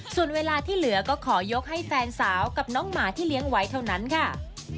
ส่วนเวลาที่เหลือก็ขอยกให้แฟนสาวกับน้องหมาที่เลี้ยงไว้เท่านั้นค่ะ